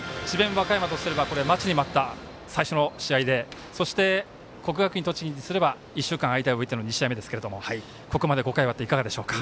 和歌山とすれば待ちに待った最初の試合でそして、国学院栃木にすれば１週間間をおいての２試合目ですがここまで５回終えてどうでしょうか？